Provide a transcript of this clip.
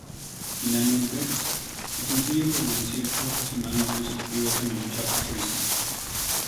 Finalmente, el sencillo permaneció ocho semanas consecutivas en el chart suizo.